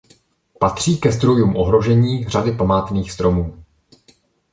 Patří ke zdrojům ohrožení řady památných stromů.